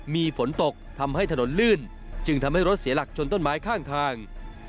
มีฝนตกทำให้ถนนลื่นจึงทำให้รถเสียหลักชนต้นไม้ข้างทาง